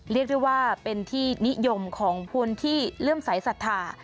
เรียกได้ว่าเป็นที่นิยมของคนที่เลื่อมสายศรัทธา